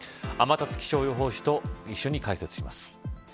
天達気象予報士と一緒に解説します。